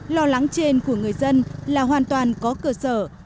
lo lắng trên của người dân là hoàn toàn có cơ sở